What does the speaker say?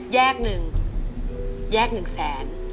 แยกหนึ่งแยกหนึ่งแสน